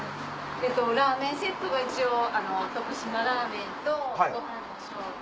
ラーメンセットが一応徳島ラーメンとご飯の小。